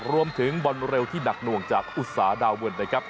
รวมถึงบอลเร็วที่หนักหน่วงจากอุตสาดาวเวิร์นนะครับ